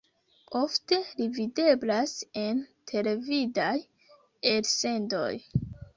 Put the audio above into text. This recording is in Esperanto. Ofte li videblas en televidaj elsendoj.